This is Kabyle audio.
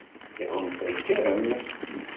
Iɣunfa-kem?